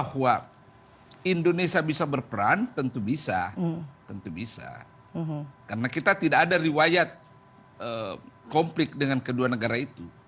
karena kita tidak ada riwayat konflik dengan kedua negara itu